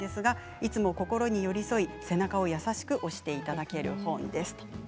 いつも心に寄り添い背中を優しく押していただける本です。